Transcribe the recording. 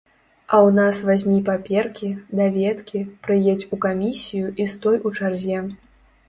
А ў нас вазьмі паперкі, даведкі, прыедзь у камісію і стой у чарзе.